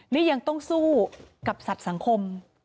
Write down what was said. นี่ยังต้องสู้กับสัตว์สังคม